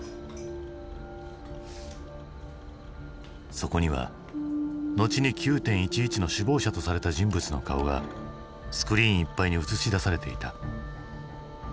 そこには後に９．１１の首謀者とされた人物の顔がスクリーンいっぱいに映し出されていた。